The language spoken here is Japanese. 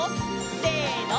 せの！